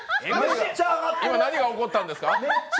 今、何が起こったんですか？